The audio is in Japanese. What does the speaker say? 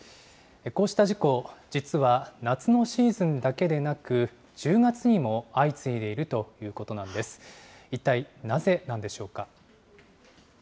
こうした事故、実は、夏のシーズンだけでなく、１０月にも相次いでいるということなんです。